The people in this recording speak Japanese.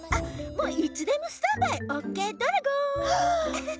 もういつでもスタンバイオッケードラゴン。